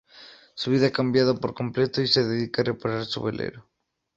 Su vida ha cambiado por completo y se dedica a reparar su velero.